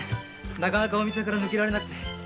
なかなかお店から抜けられなくて。